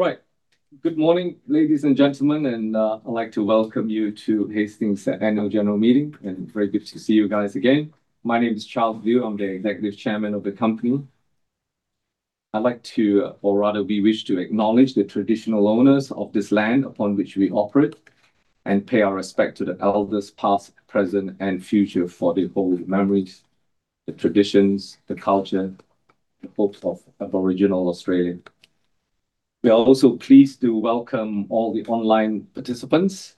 Right. Good morning, ladies and gentlemen. I would like to welcome you to Hastings annual general meeting. It is very good to see you guys again. My name is Charles Lew. I am the Executive Chairman of the company. I would like to, or rather we wish to acknowledge the traditional owners of this land upon which we operate and pay our respect to the elders past, present, and future for their holy memories, the traditions, the culture, the hopes of Aboriginal Australia. We are also pleased to welcome all the online participants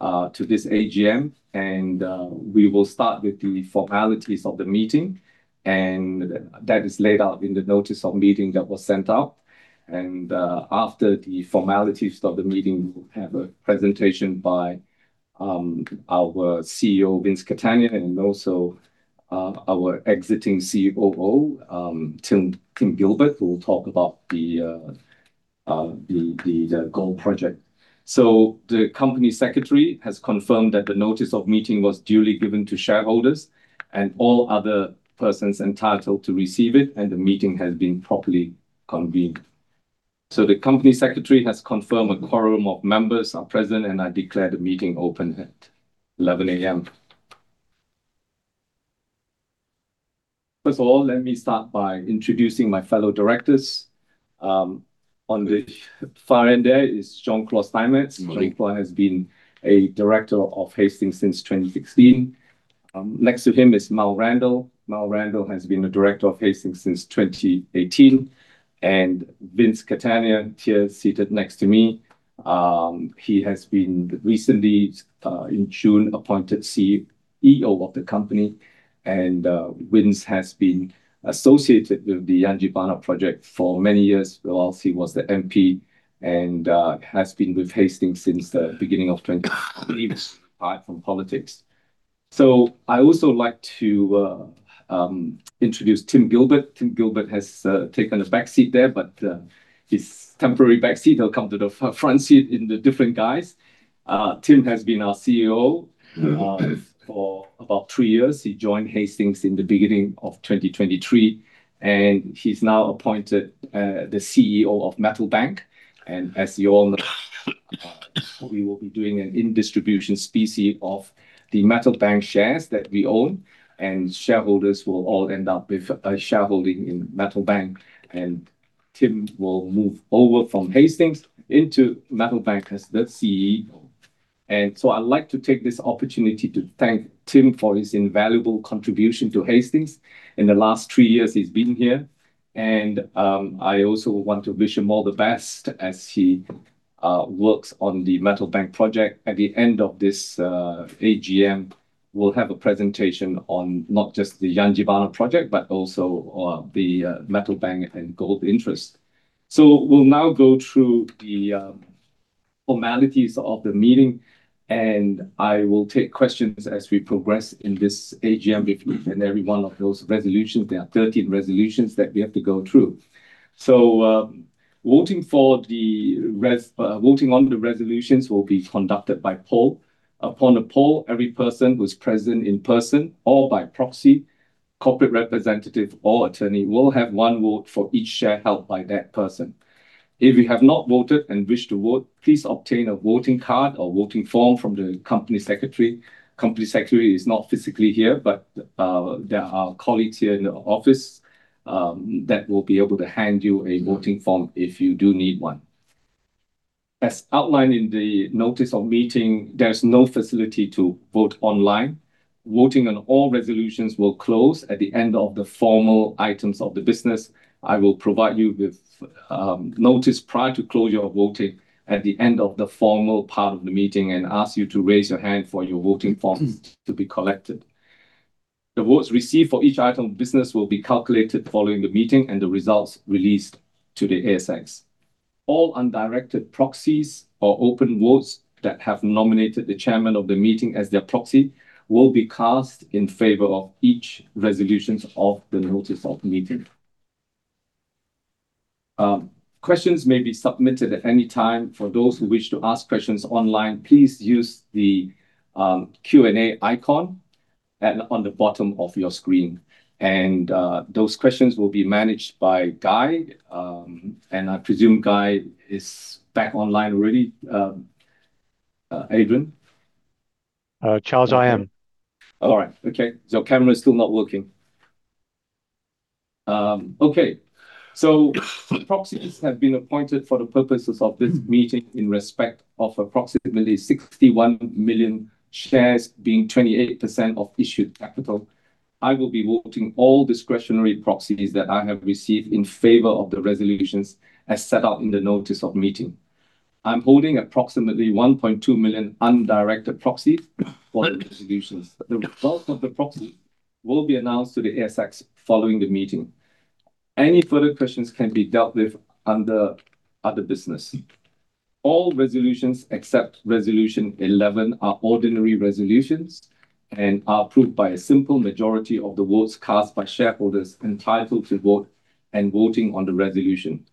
to this AGM. We will start with the formalities of the meeting, and that is laid out in the notice of meeting that was sent out. After the formalities of the meeting, we will have a presentation by our CEO, Vince Catania, and also our exiting COO, Tim Gilbert, who will talk about the gold project. The company secretary has confirmed that the notice of meeting was duly given to shareholders and all other persons entitled to receive it, and the meeting has been properly convened. The company secretary has confirmed a quorum of members are present, and I declare the meeting open at 11:00 A.M. First of all, let me start by introducing my fellow directors. On the far end there is Jean-Claude Steinmetz. Good morning. Jean-Claude has been a Director of Hastings since 2016. Next to him is Mal Randall. Mal Randall has been a Director of Hastings since 2018. Vince Catania, here seated next to me, he has been recently, in June, appointed CEO of the company. Vince has been associated with the Yangibana project for many years while he was the MP and has been with Hastings since the beginning of 2018, apart from politics. I also like to introduce Tim Gilbert. Tim Gilbert has taken a back seat there, but his temporary back seat, he'll come to the front seat in a different guise. Tim has been our CEO for about three years. He joined Hastings in the beginning of 2023, and he's now appointed the CEO of Metal Bank. As you all know, we will be doing an in-distribution species of the Metal Bank shares that we own, and shareholders will all end up with shareholding in Metal Bank. Tim will move over from Hastings into Metal Bank as the CEO. I would like to take this opportunity to thank Tim for his invaluable contribution to Hastings in the last three years he has been here. I also want to wish him all the best as he works on the Metal Bank project. At the end of this AGM, we will have a presentation on not just the Yangibana project, but also the Metal Bank and gold interest. We will now go through the formalities of the meeting, and I will take questions as we progress in this AGM with every one of those resolutions. There are 13 resolutions that we have to go through. Voting on the resolutions will be conducted by poll. Upon a poll, every person who is present in person or by proxy, corporate representative, or attorney will have one vote for each share held by that person. If you have not voted and wish to vote, please obtain a voting card or voting form from the company secretary. The company secretary is not physically here, but there are colleagues here in the office that will be able to hand you a voting form if you do need one. As outlined in the notice of meeting, there is no facility to vote online. Voting on all resolutions will close at the end of the formal items of the business. I will provide you with notice prior to closure of voting at the end of the formal part of the meeting and ask you to raise your hand for your voting forms to be collected. The votes received for each item of business will be calculated following the meeting and the results released to the ASX. All undirected proxies or open votes that have nominated the Chairman of the meeting as their proxy will be cast in favor of each resolution of the notice of meeting. Questions may be submitted at any time. For those who wish to ask questions online, please use the Q&A icon on the bottom of your screen. Those questions will be managed by Guy. I presume Guy is back online already. [Adrian]? Charles, I am. All right. Okay. Your camera is still not working. Okay. So proxies have been appointed for the purposes of this meeting in respect of approximately 61 million shares being 28% of issued capital. I will be voting all discretionary proxies that I have received in favor of the resolutions as set out in the notice of meeting. I'm holding approximately 1.2 million undirected proxies for the resolutions. The results of the proxies will be announced to the ASX following the meeting. Any further questions can be dealt with under other business. All resolutions except Resolution 11 are ordinary resolutions and are approved by a simple majority of the votes cast by shareholders entitled to vote and voting on the resolution.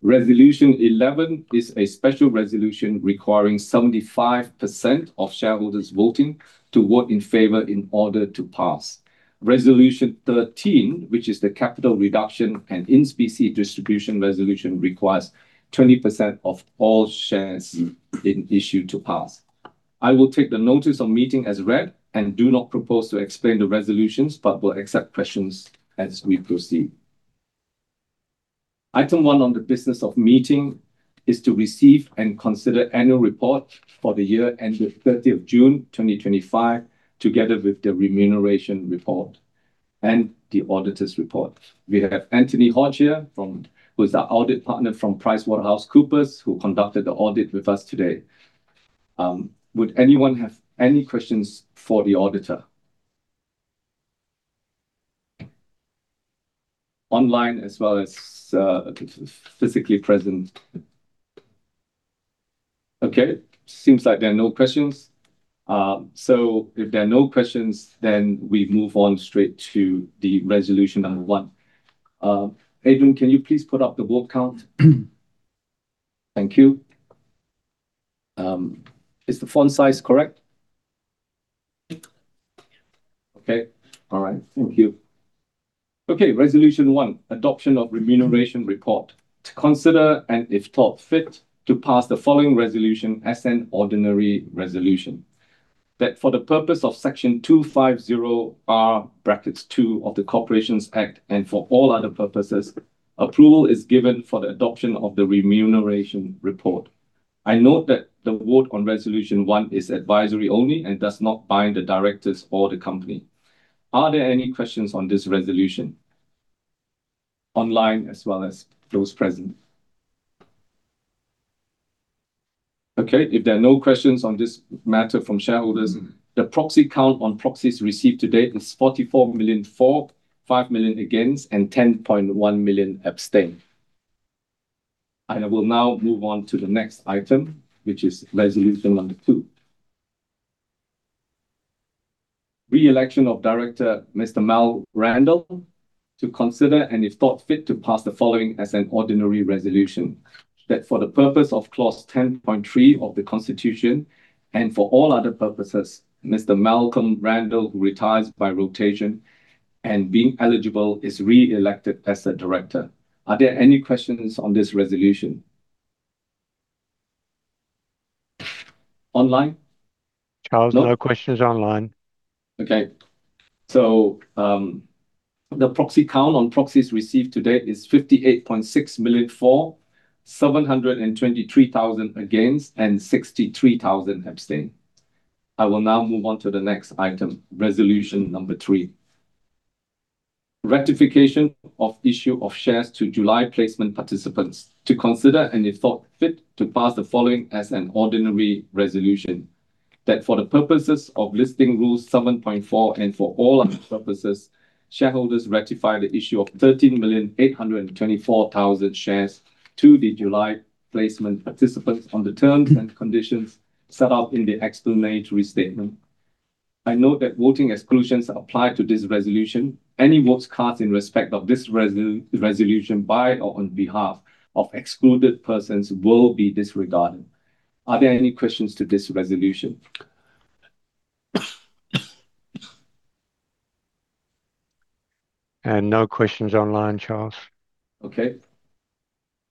Resolution 11 is a special resolution requiring 75% of shareholders voting to vote in favor in order to pass. Resolution 13, which is the capital reduction and in-species distribution resolution, requires 20% of all shares in issue to pass. I will take the notice of meeting as read and do not propose to explain the resolutions, but will accept questions as we proceed. Item one on the business of meeting is to receive and consider annual report for the year ended 30th of June 2025, together with the remuneration report and the auditor's report. We have Anthony Hodge here who is our audit partner from PricewaterhouseCoopers, who conducted the audit with us today. Would anyone have any questions for the auditor online as well as physically present? Okay. Seems like there are no questions. If there are no questions, then we move on straight to the resolution number one. [Adrian], can you please put up the vote count? Thank you. Is the font size correct? Okay. All right. Thank you. Okay. Resolution one, adoption of remuneration report. To consider and, if thought fit, to pass the following resolution as an ordinary resolution. That for the purpose of Section 250R(2) of the Corporations Act and for all other purposes, approval is given for the adoption of the remuneration report. I note that the vote on resolution one is advisory only and does not bind the directors or the company. Are there any questions on this resolution online as well as those present? Okay. If there are no questions on this matter from shareholders, the proxy count on proxies received today is 44 million, 4.5 million against, and 10.1 million abstain. I will now move on to the next item, which is resolution number two. Re-election of Director Mr. Mal Randall to consider and, if thought fit, to pass the following as an ordinary resolution. That for the purpose of clause 10.3 of the Constitution and for all other purposes, Mr. Malcolm Randall, who retires by rotation and being eligible, is re-elected as a director. Are there any questions on this resolution online? Charles, no questions online. Okay. The proxy count on proxies received today is 58.6 million, 4,723,000 against, and 63,000 abstain. I will now move on to the next item, resolution number three. Rectification of issue of shares to July placement participants. To consider and, if thought fit, to pass the following as an ordinary resolution. That for the purposes of Listing Rules 7.4 and for all other purposes, shareholders rectify the issue of 13,824,000 shares to the July placement participants on the terms and conditions set out in the explanatory statement. I note that voting exclusions apply to this resolution. Any votes cast in respect of this resolution by or on behalf of excluded persons will be disregarded. Are there any questions to this resolution? No questions online, Charles. Okay.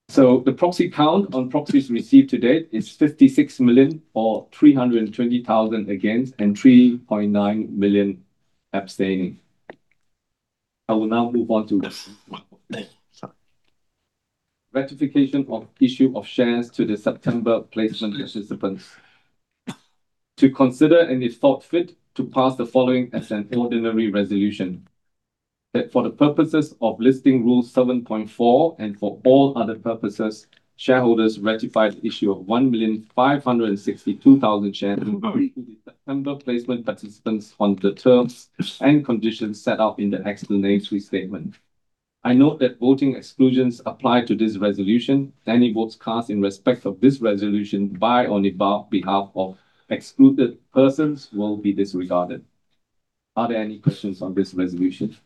The proxy count on proxies received today is 56,320,000 against and 3.9 million abstaining. I will now move on to rectification of issue of shares to the September placement participants. To consider and, if thought fit, to pass the following as an ordinary resolution. That for the purposes of Listing Rules 7.4 and for all other purposes, shareholders rectify the issue of 1,562,000 shares to the September placement participants on the terms and conditions set out in the explanatory statement. I note that voting exclusions apply to this resolution. Any votes cast in respect of this resolution by or on behalf of excluded persons will be disregarded. Are there any questions on this resolution?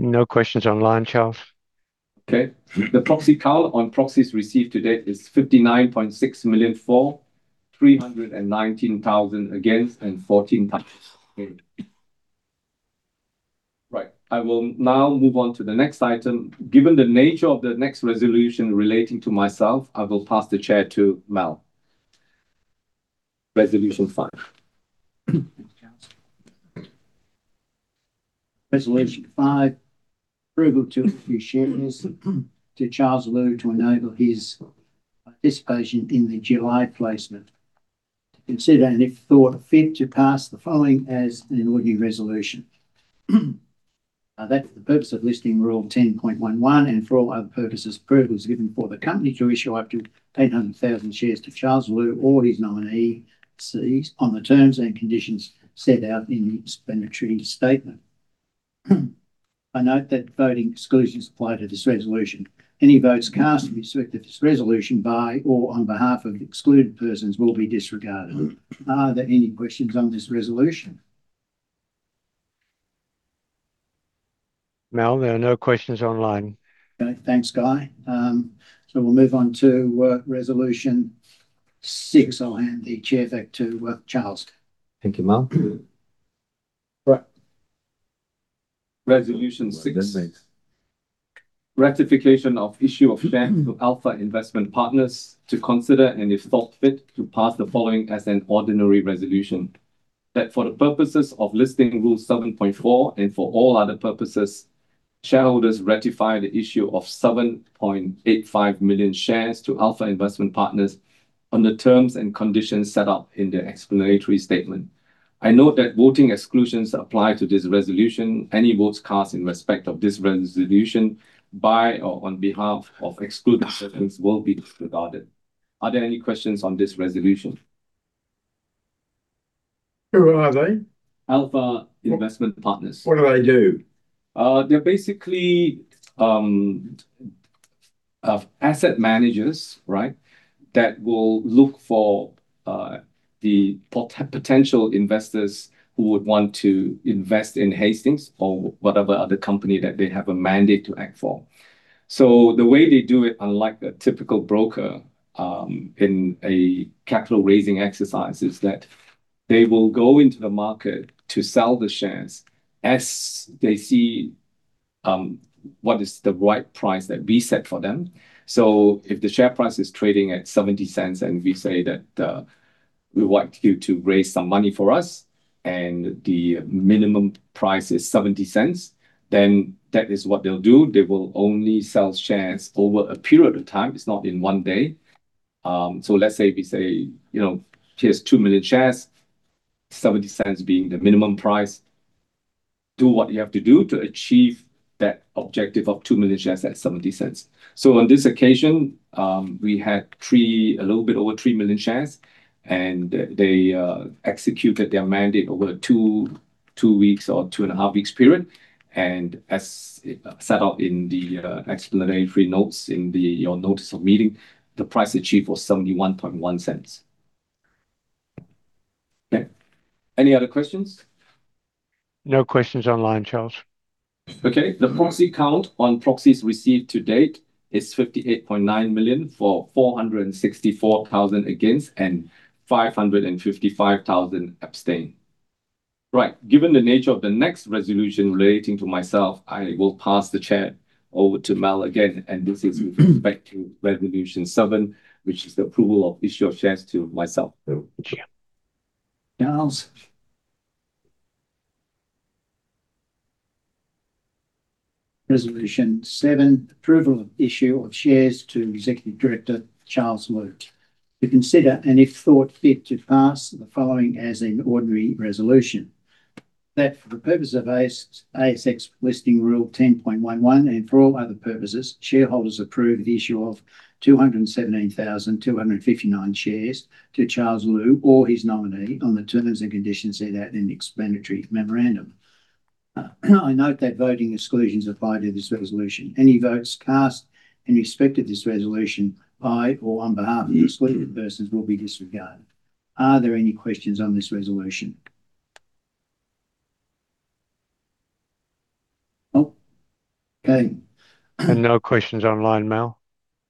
No questions online, Charles. Okay. The proxy count on proxies received today is 59.6 million, 4,319,000 against and 14. Right. I will now move on to the next item. Given the nature of the next resolution relating to myself, I will pass the chair to Mal. Resolution five. Thank you, Charles. Resolution five, approval to issue shares to Charles Lew to enable his participation in the July placement. To consider and, if thought fit, to pass the following as an ordinary resolution. That for the purpose of Listing Rule 10.11 and for all other purposes, approval is given for the company to issue up to 800,000 shares to Charles Lew or his nominee on the terms and conditions set out in the explanatory statement. I note that voting exclusions apply to this resolution. Any votes cast in respect of this resolution by or on behalf of excluded persons will be disregarded. Are there any questions on this resolution? Mal, there are no questions online. Okay. Thanks, Guy. We'll move on to Resolution 6. I'll hand the chair back to Charles. Thank you, Mal. Right. Resolution 6, rectification of issue of shares to Alpha Investment Partners. To consider and, if thought fit, to pass the following as an ordinary resolution. That for the purposes of Listing Rule 7.4 and for all other purposes, shareholders rectify the issue of 7.85 million shares to Alpha Investment Partners on the terms and conditions set out in the explanatory statement. I note that voting exclusions apply to this resolution. Any votes cast in respect of this resolution by or on behalf of excluded persons will be disregarded. Are there any questions on this resolution? Who are they? Alpha Investment Partners. What do they do? They're basically asset managers, right, that will look for the potential investors who would want to invest in Hastings or whatever other company that they have a mandate to act for. The way they do it, unlike a typical broker in a capital raising exercise, is that they will go into the market to sell the shares as they see what is the right price that we set for them. If the share price is trading at 0.70 and we say that we'd like you to raise some money for us and the minimum price is 0.70, that is what they'll do. They will only sell shares over a period of time. It's not in one day. Let's say we say, here's 2 million shares, 0.70 being the minimum price. Do what you have to do to achieve that objective of 2 million shares at 0.70. On this occasion, we had a little bit over 3 million shares, and they executed their mandate over a two-week or two-and-a-half-week period. As set out in the explanatory notes in your notice of meeting, the price achieved was 0.711. Okay. Any other questions? No questions online, Charles. Okay. The proxy count on proxies received to date is 58.9 million for, 464,000 against, and 555,000 abstain. Right. Given the nature of the next resolution relating to myself, I will pass the chair over to Mal again. This is with respect to resolution seven, which is the approval of issue of shares to myself. Charles, resolution seven, approval of issue of shares to Executive Director Charles Lew. To consider and, if thought fit, to pass the following as an ordinary resolution. That for the purpose of ASX Listing Rule 10.11 and for all other purposes, shareholders approve the issue of 217,259 shares to Charles Lew or his nominee on the terms and conditions set out in the explanatory memorandum. I note that voting exclusions apply to this resolution. Any votes cast in respect of this resolution by or on behalf of excluded persons will be disregarded. Are there any questions on this resolution? No. No questions online, Mal.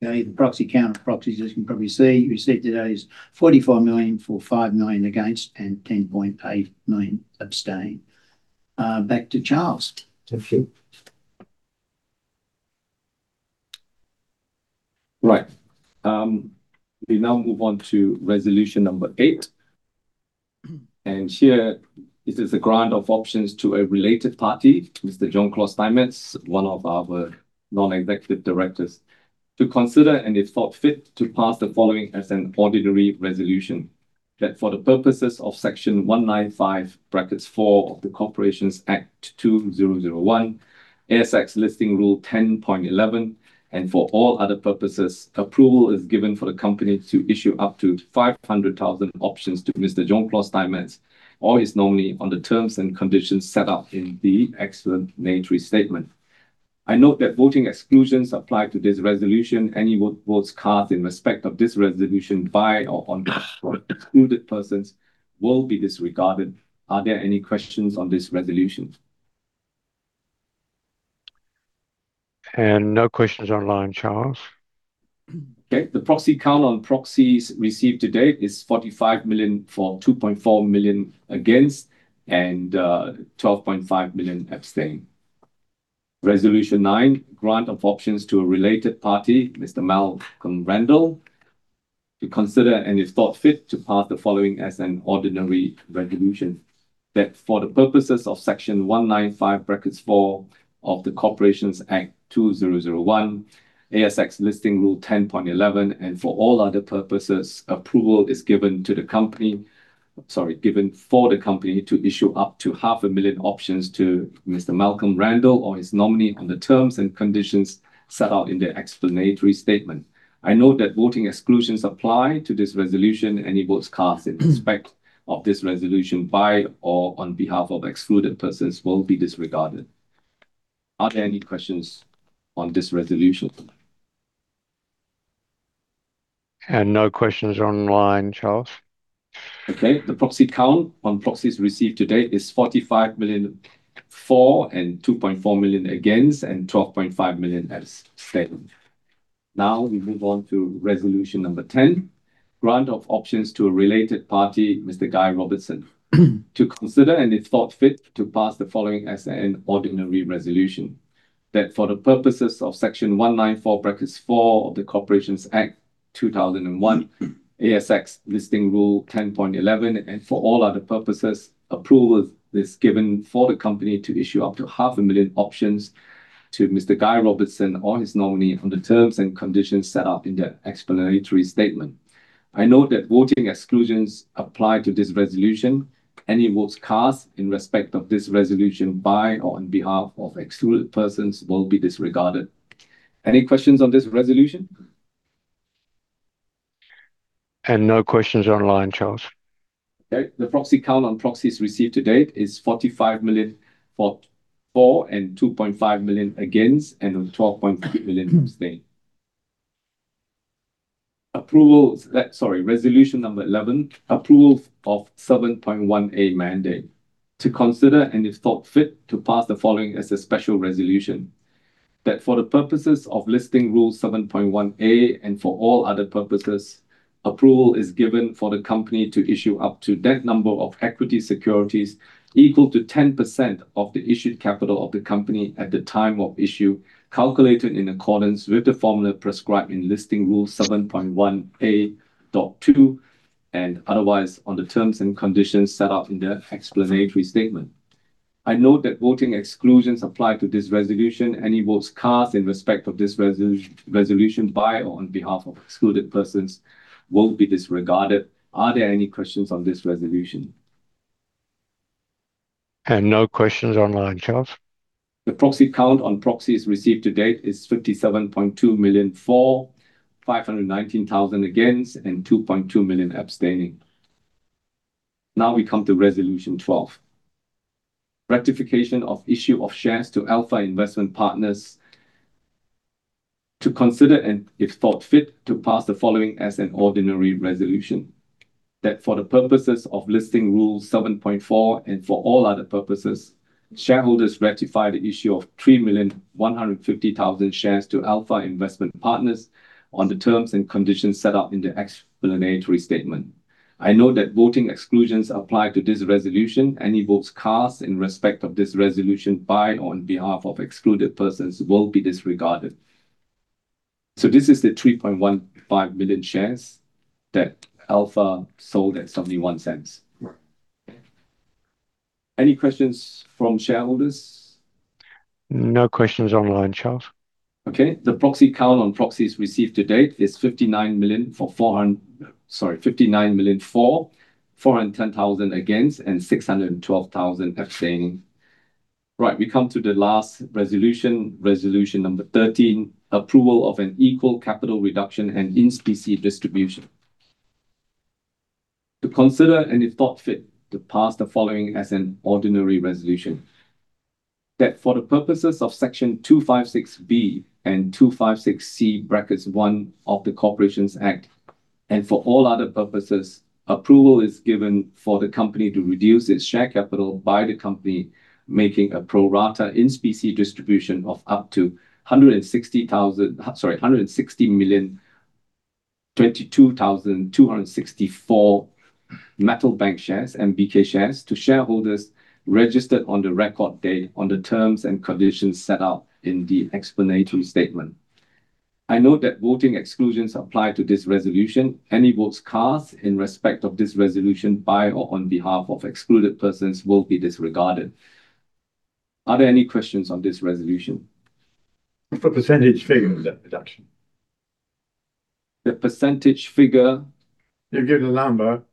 Okay. The proxy count on proxies as you can probably see received today is 45 million for, 5 million against, and 10.8 million abstain. Back to Charles. Thank you. Right. We now move on to resolution number eight. Here, it is a grant of options to a related party, Mr. Jean Claude Steinmetz, one of our non-executive directors, to consider and, if thought fit, to pass the following as an ordinary resolution. That for the purposes of Section 195(4) of the Corporations Act 2001, ASX Listing Rule 10.11 and for all other purposes, approval is given for the company to issue up to 500,000 options to Mr. Jean Claude Steinmetz or his nominee on the terms and conditions set out The proxy count on proxies received to date is 57.2 million for, 519,000 against, and 2.2 million abstaining. Now we come to resolution 12, rectification of issue of shares to Alpha Investment Partners. To consider and, if thought fit, to pass the following as an ordinary resolution. That for the purposes of Listing Rule 7.4 and for all other purposes, shareholders rectify the issue of 3,150,000 shares to Alpha Investment Partners on the terms and conditions set out in the explanatory statement. I note that voting exclusions apply to this resolution. Any votes cast in respect of this resolution by or on behalf of excluded persons will be disregarded. This is the 3.15 million shares that Alpha sold at 0.71. Any questions from shareholders? No questions online, Charles. Okay. The proxy count on proxies received to date is 59 million for, 410,000 against, and 612,000 abstaining. Right. We come to the last resolution, resolution number 13, approval of an equal capital reduction and in-species distribution. To consider and, if thought fit, to pass the following as an ordinary resolution. That for the purposes of Section 256B and 256C(1) of the Corporations Act and for all other purposes, approval is given for the company to reduce its share capital by the company making a pro-rata in-species distribution of up to 160,022,264 Metal Bank shares and MBK shares to shareholders registered on the record day on the terms and conditions set out in the explanatory statement. I note that voting exclusions apply to this resolution. Any votes cast in respect of this resolution by or on behalf of excluded persons will be disregarded. Are there any questions on this resolution? What's the percentage figure of that reduction? The percentage figure? You're getting a number.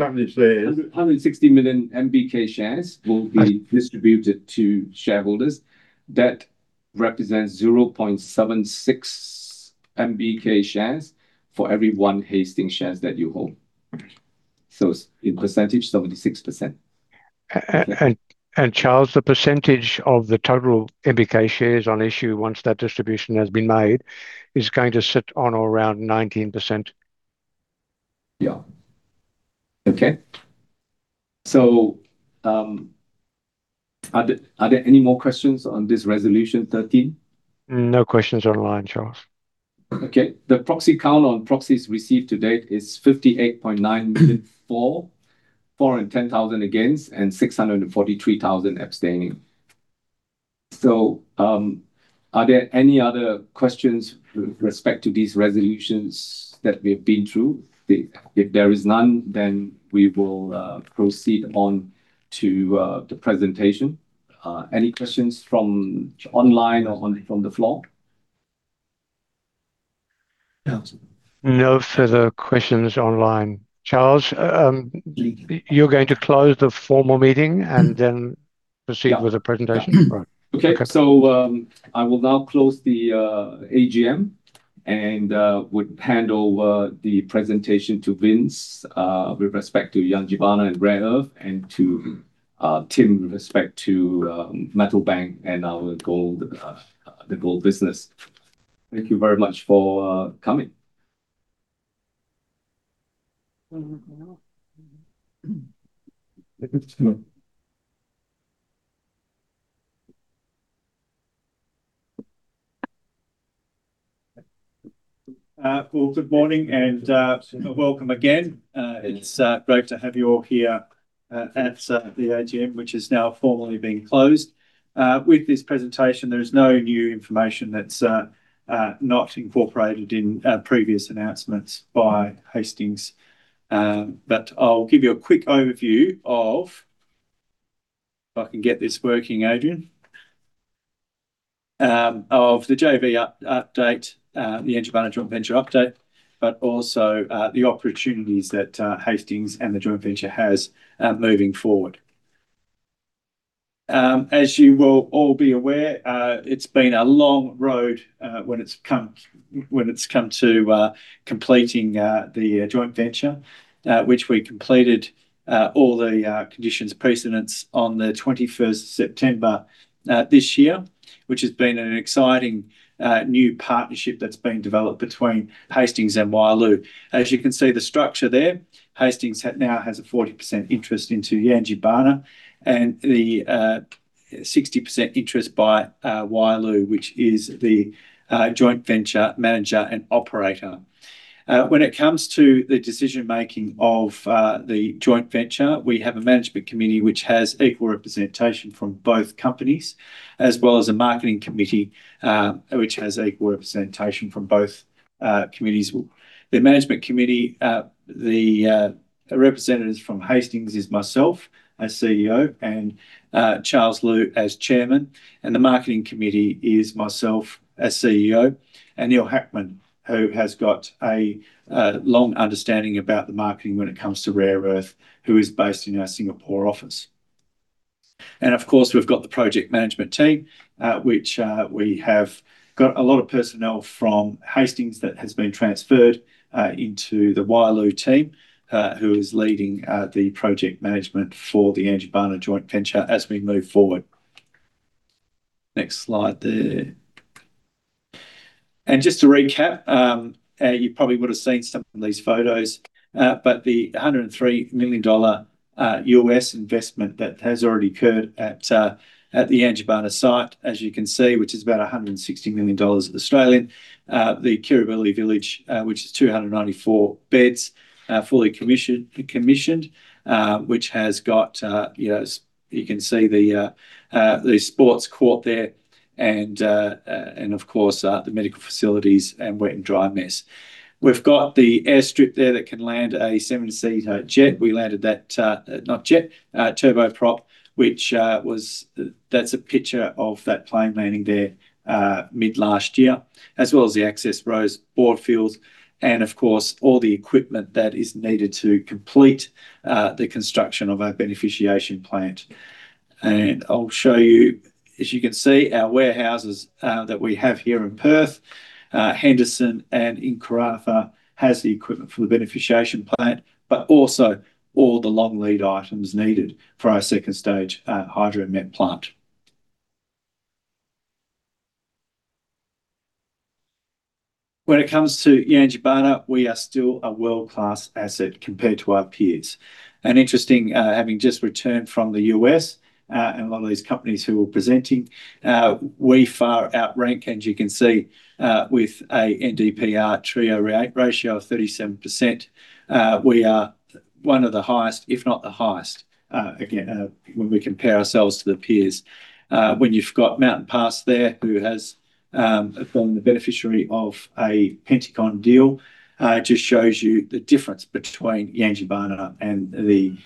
Something says— 160 million MBK shares will be distributed to shareholders. That represents 0.76 MBK shares for every one Hastings shares that you hold. It is, in percentage, 76%. Charles, the percentage of the total MBK shares on issue once that distribution has been made is going to sit on around 19%. Yeah. Okay. Are there any more questions on this resolution 13? No questions online, Charles. Okay. The proxy count on proxies received to date is 58.9 million for, 410,000 against, and 643,000 abstaining. Are there any other questions with respect to these resolutions that we have been through? If there is none, we will proceed on to the presentation. Any questions from online or from the floor? No further questions online. Charles, you're going to close the formal meeting and then proceed with the presentation. Okay. I will now close the AGM and would hand over the presentation to Vince with respect to Yangibana and Rare Earth and to Tim with respect to Metal Bank and our gold business. Thank you very much for coming. Good morning and welcome again. It's great to have you all here at the AGM, which is now formally being closed. With this presentation, there is no new information that's not incorporated in previous announcements by Hastings. I'll give you a quick overview of, if I can get this working, [Adrian], the JV update, the Energy Management Venture update, but also the opportunities that Hastings and the joint venture has moving forward. As you will all be aware, it's been a long road when it's come to completing the joint venture, which we completed all the conditions precedents on the 21st of September this year, which has been an exciting new partnership that's been developed between Hastings and Wyloo. As you can see the structure there, Hastings now has a 40% interest into Yangibana and the 60% interest by Wyloo, which is the joint venture manager and operator. When it comes to the decision-making of the joint venture, we have a management committee which has equal representation from both companies, as well as a marketing committee which has equal representation from both committees. The management committee, the representatives from Hastings is myself as CEO and Charles Lew as Chairman, and the marketing committee is myself as CEO and Neil Hackett, who has got a long understanding about the marketing when it comes to Rare Earth, who is based in our Singapore office. Of course, we've got the project management team, which we have got a lot of personnel from Hastings that has been transferred into the Wyloo team, who is leading the project management for the Yangibana joint venture as we move forward. Next slide there. Just to recap, you probably would have seen some of these photos, but the $103 million U.S. investment that has already occurred at the Yangibana site, as you can see, which is about 160 million Australian dollars. The Kurrbili Village, which is 294 beds, fully commissioned, which has got, you can see the sports court there and, of course, the medical facilities and wet and dry mess. We have got the airstrip there that can land a seven-seater jet. We landed that, not jet, turboprop, which was, that is a picture of that plane landing there mid-last year, as well as the access roads, boardfields, and, of course, all the equipment that is needed to complete the construction of our beneficiation plant. I will show you, as you can see, our warehouses that we have here in Perth, Henderson, and in Carnarvon has the equipment for the beneficiation plant, but also all the long lead items needed for our second-stage hydromet plant. When it comes to Yangibana, we are still a world-class asset compared to our peers. Interesting, having just returned from the U.S. and a lot of these companies who were presenting, we far outrank, as you can see, with an NdPr ratio of 37%. We are one of the highest, if not the highest, again, when we compare ourselves to the peers. When you've got Mount Pass there, who has been the beneficiary of a Pentagon deal, just shows you the difference between Yangibana and the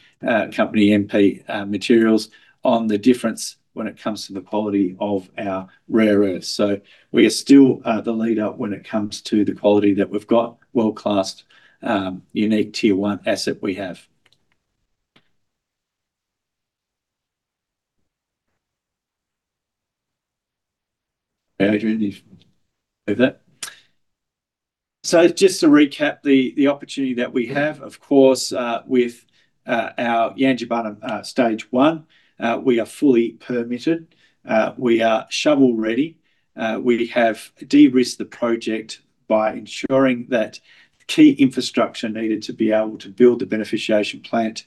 company MP Materials on the difference when it comes to the quality of our rare earth. We are still the leader when it comes to the quality that we've got, world-class, unique tier one asset we have. [Adrian], you can move that. Just to recap the opportunity that we have, of course, with our Yangibana stage one, we are fully permitted. We are shovel ready. We have de-risked the project by ensuring that key infrastructure needed to be able to build the beneficiation plant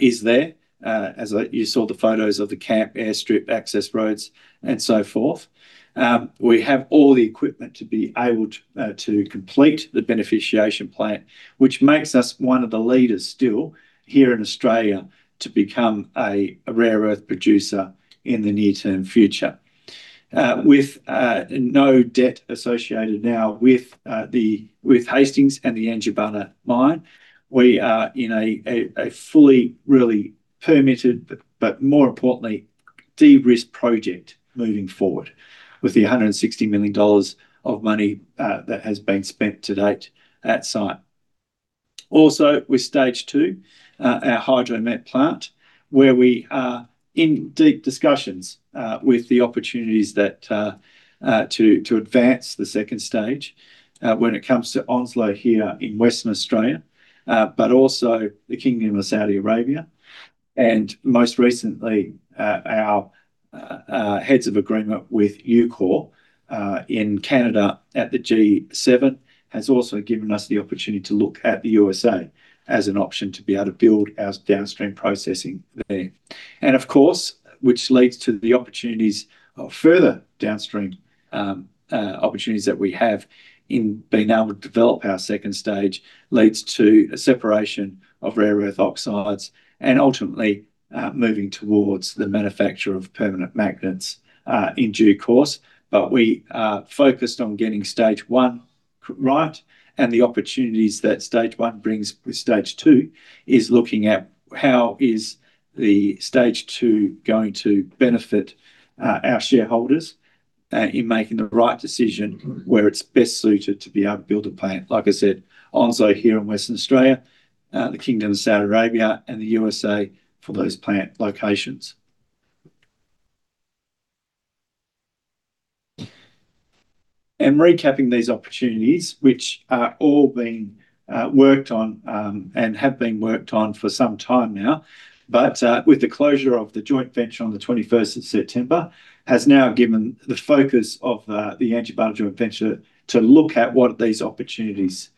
is there, as you saw the photos of the camp, airstrip, access roads, and so forth. We have all the equipment to be able to complete the beneficiation plant, which makes us one of the leaders still here in Australia to become a Rare Earth producer in the near-term future. With no debt associated now with Hastings and the Yangibana mine, we are in a fully really permitted, but more importantly, de-risked project moving forward with the 160 million dollars of money that has been spent to date at site. Also, with stage two, our hydromet plant, where we are in deep discussions with the opportunities to advance the second stage when it comes to Onslow here in Western Australia, but also the Kingdom of Saudi Arabia. Most recently, our heads of agreement with Ucore in Canada at the G7 has also given us the opportunity to look at the U.S. as an option to be able to build our downstream processing there. Of course, which leads to the opportunities of further downstream opportunities that we have in being able to develop our second stage, leads to a separation of rare earth oxides and ultimately moving towards the manufacture of permanent magnets in due course. We are focused on getting stage one right and the opportunities that stage one brings with stage two is looking at how is the stage two going to benefit our shareholders in making the right decision where it's best suited to be able to build a plant. Like I said, Onslow here in Western Australia, the Kingdom of Saudi Arabia, and the U.S. for those plant locations. Recapping these opportunities, which are all being worked on and have been worked on for some time now, but with the closure of the joint venture on the 21st of September has now given the focus of the Yangibana joint venture to look at what these opportunities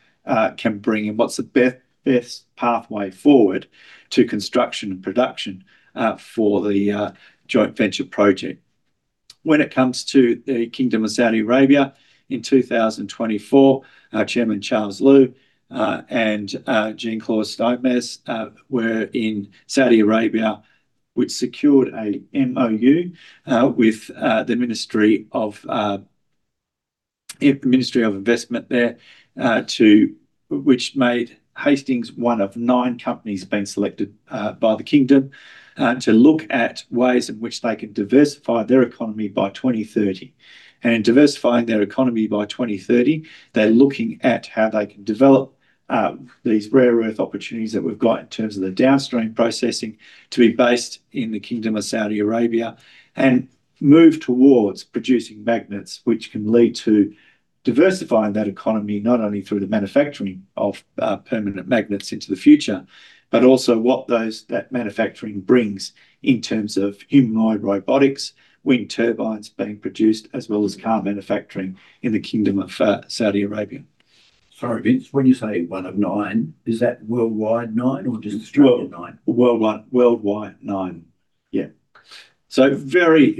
can bring and what's the best pathway forward to construction and production for the joint venture project. When it comes to the Kingdom of Saudi Arabia in 2024, Chairman Charles Lew and Jean-Claude Steinmetz were in Saudi Arabia, which secured a MOU with the Ministry of Investment there, which made Hastings one of nine companies being selected by the Kingdom to look at ways in which they can diversify their economy by 2030. In diversifying their economy by 2030, they're looking at how they can develop these rare earth opportunities that we've got in terms of the downstream processing to be based in the Kingdom of Saudi Arabia and move towards producing magnets, which can lead to diversifying that economy not only through the manufacturing of permanent magnets into the future, but also what that manufacturing brings in terms of humanoid robotics, wind turbines being produced, as well as car manufacturing in the Kingdom of Saudi Arabia. Sorry, Vince, when you say one of nine, is that worldwide nine or just strictly nine? Worldwide nine. Yeah. Very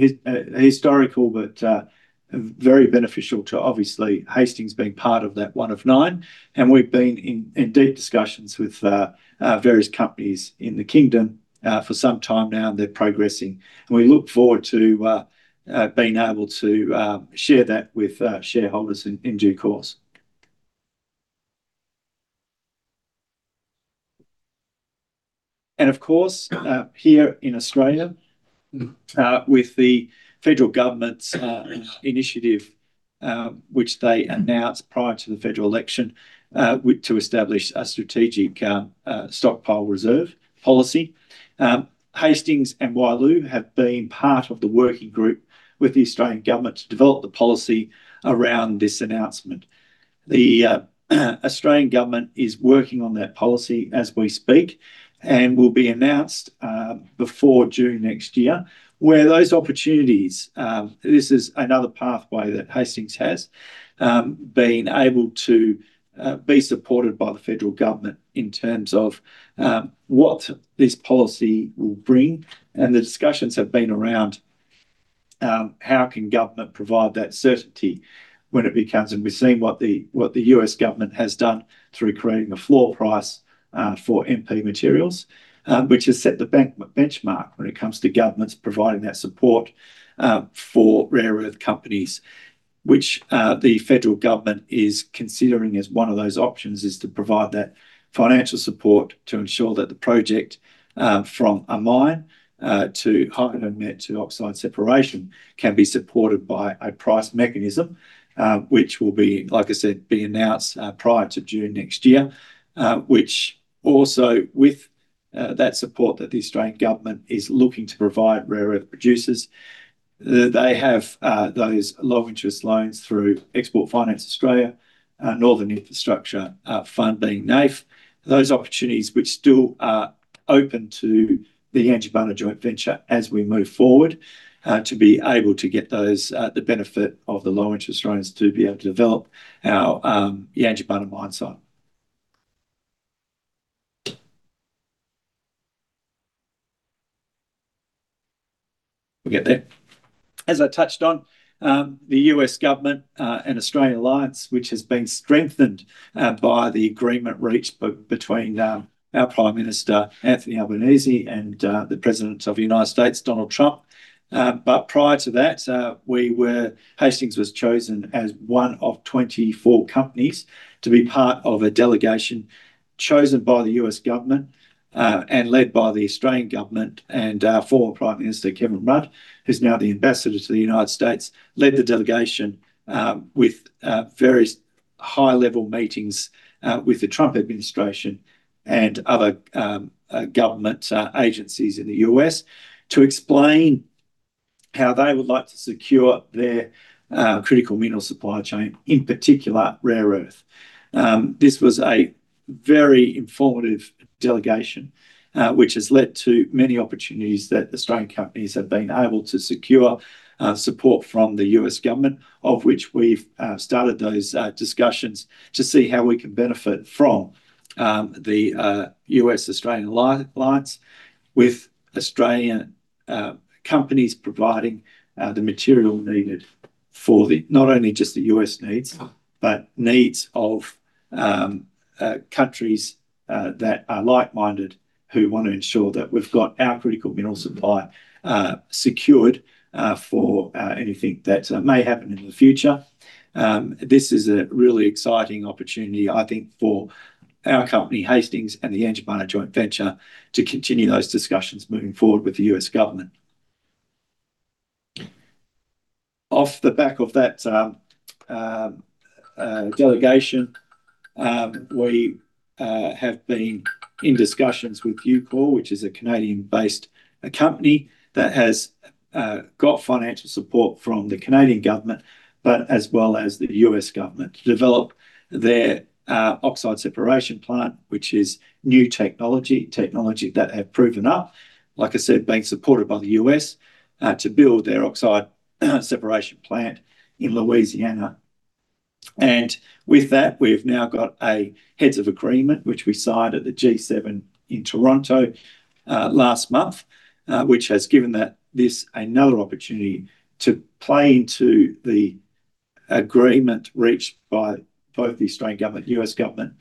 historical, but very beneficial to obviously Hastings being part of that one of nine. We have been in deep discussions with various companies in the Kingdom for some time now, and they are progressing. We look forward to being able to share that with shareholders in due course. Of course, here in Australia, with the federal government's initiative, which they announced prior to the federal election to establish a strategic stockpile reserve policy, Hastings and Wyloo have been part of the working group with the Australian government to develop the policy around this announcement. The Australian government is working on that policy as we speak and it will be announced before June next year, where those opportunities, this is another pathway that Hastings has been able to be supported by the federal government in terms of what this policy will bring. The discussions have been around how can government provide that certainty when it becomes, and we've seen what the U.S. government has done through creating a floor price for MP Materials, which has set the benchmark when it comes to governments providing that support for rare earth companies, which the federal government is considering as one of those options is to provide that financial support to ensure that the project from a mine to hydromet to oxide separation can be supported by a price mechanism, which will be, like I said, be announced prior to June next year, which also with that support that the Australian government is looking to provide rare earth producers, they have those low-interest loans through Export Finance Australia, Northern Infrastructure Fund being NAIF, those opportunities which still are open to the Yangibana joint venture as we move forward to be able to get the benefit of the low-interest loans to be able to develop our Yangibana mine site. We'll get there. As I touched on, the U.S. government and Australian alliance, which has been strengthened by the agreement reached between our Prime Minister, Anthony Albanese, and the President of the United States, Donald Trump. Prior to that, Hastings was chosen as one of 24 companies to be part of a delegation chosen by the U.S. government and led by the Australian government and former Prime Minister, Kevin Rudd, who's now the Ambassador to the United States, led the delegation with various high-level meetings with the Trump administration and other government agencies in the U.S. to explain how they would like to secure their critical mineral supply chain, in particular, Rare Earth. This was a very informative delegation, which has led to many opportunities that Australian companies have been able to secure support from the U.S. government, of which we've started those discussions to see how we can benefit from the U.S.-Australian alliance with Australian companies providing the material needed for not only just the U.S. needs, but needs of countries that are like-minded who want to ensure that we've got our critical mineral supply secured for anything that may happen in the future. This is a really exciting opportunity, I think, for our company, Hastings, and the Yangibana joint venture to continue those discussions moving forward with the U.S. government. Off the back of that delegation, we have been in discussions with Ucore, which is a Canadian-based company that has got financial support from the Canadian government, but as well as the U.S. government to develop their oxide separation plant, which is new technology, technology that have proven up, like I said, being supported by the U.S. to build their oxide separation plant in Louisiana. With that, we've now got a heads of agreement, which we signed at the G7 in Toronto last month, which has given this another opportunity to play into the agreement reached by both the Australian government and U.S. government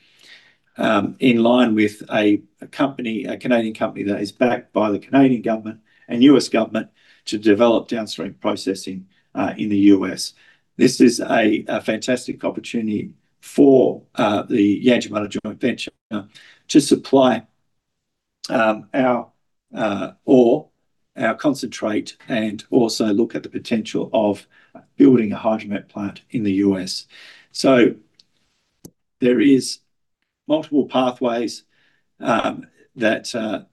in line with a Canadian company that is backed by the Canadian government and U.S. government to develop downstream processing in the U.S.. This is a fantastic opportunity for the Yangibana joint venture to supply our ore or our concentrate and also look at the potential of building a hydromet plant in the U.S.. There are multiple pathways that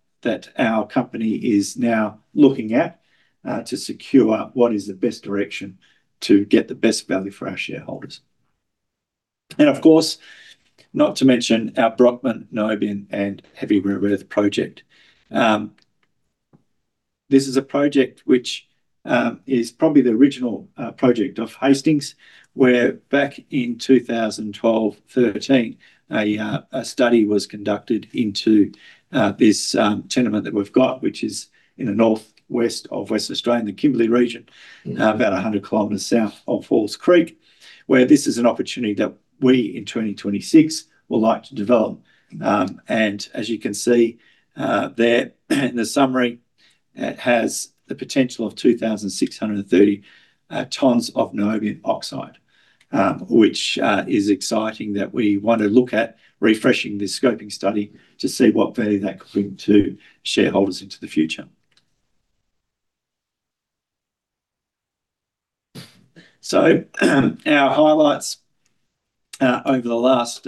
our company is now looking at to secure what is the best direction to get the best value for our shareholders. Of course, not to mention our Brockman Niobium and Heavy Rare Earth Project. This is a project which is probably the original project of Hastings, where back in 2012, 2013, a study was conducted into this tenement that we've got, which is in the northwest of Western Australia, in the Kimberley region, about 100 km south of Halls Creek, where this is an opportunity that we in 2026 would like to develop. As you can see there, the summary has the potential of 2,630 tons of niobium oxide, which is exciting that we want to look at refreshing this scoping study to see what value that could bring to shareholders into the future. Our highlights over the last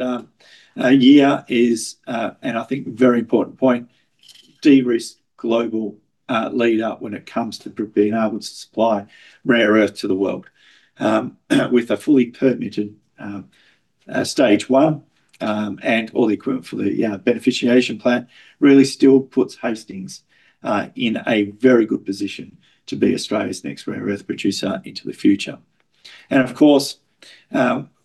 year is, and I think very important point, de-risk global lead up when it comes to being able to supply rare earth to the world with a fully permitted stage one and all the equipment for the beneficiation plant really still puts Hastings in a very good position to be Australia's next rare earth producer into the future. Of course,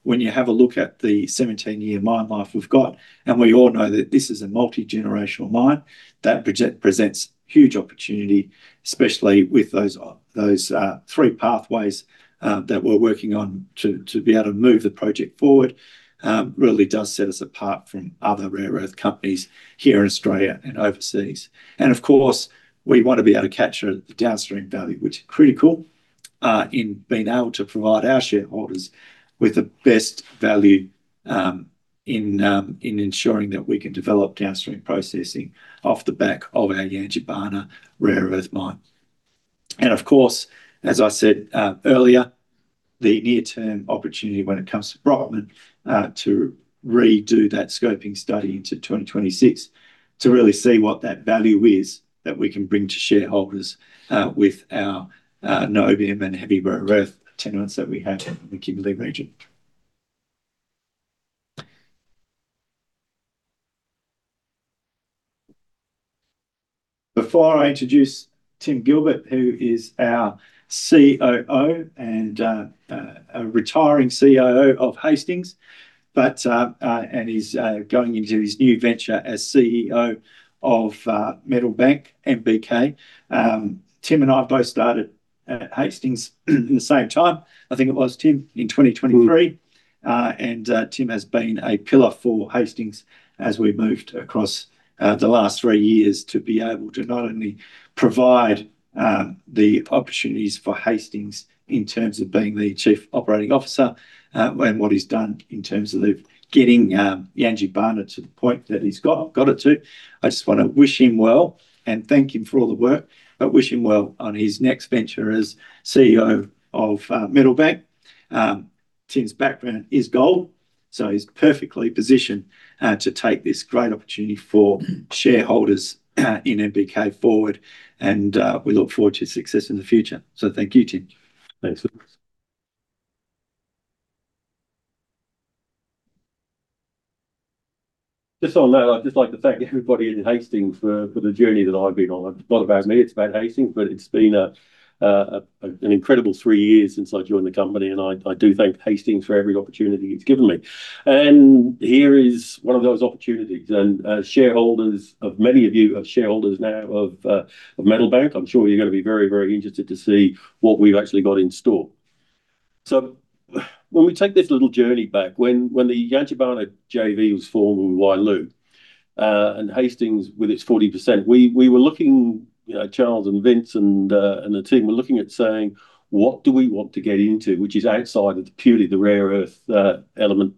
when you have a look at the 17-year mine life we've got, and we all know that this is a multi-generational mine that presents huge opportunity, especially with those three pathways that we're working on to be able to move the project forward, it really does set us apart from other rare earth companies here in Australia and overseas. Of course, we want to be able to capture the downstream value, which is critical in being able to provide our shareholders with the best value in ensuring that we can develop downstream processing off the back of our Yangibana rare earth mine. Of course, as I said earlier, the near-term opportunity when it comes to Brockman is to redo that scoping study into 2026 to really see what that value is that we can bring to shareholders with our niobium and heavy rare earth tenements that we have in the Kimberley region. Before I introduce Tim Gilbert, who is our COO and a retiring CIO of Hastings, and is going into his new venture as CEO of Metal Bank MBK. Tim and I both started at Hastings at the same time, I think it was Tim, in 2023. Tim has been a pillar for Hastings as we moved across the last three years to be able to not only provide the opportunities for Hastings in terms of being the Chief Operating Officer and what he's done in terms of getting Yangibana to the point that he's got it to. I just want to wish him well and thank him for all the work, but wish him well on his next venture as CEO of Metal Bank. Tim's background is gold, so he's perfectly positioned to take this great opportunity for shareholders in MBK forward, and we look forward to success in the future. Thank you, Tim. Thanks, Vince. Just on that, I'd like to thank everybody in Hastings for the journey that I've been on. It's not about me, it's about Hastings, but it's been an incredible three years since I joined the company, and I do thank Hastings for every opportunity it's given me. Here is one of those opportunities, and shareholders, many of you are shareholders now of Metal Bank. I'm sure you're going to be very, very interested to see what we've actually got in store. When we take this little journey back, when the Yangibana JV was formed with Wyloo and Hastings with its 40%, we were looking, Charles and Vince and the team were looking at saying, what do we want to get into, which is outside of purely the rare earth element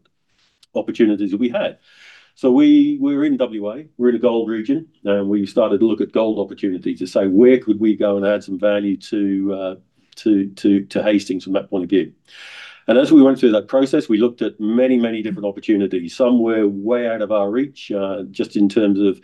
opportunities that we had? We were in WA, we're in a gold region, and we started to look at gold opportunities to say, where could we go and add some value to Hastings from that point of view? As we went through that process, we looked at many, many different opportunities. Some were way out of our reach just in terms of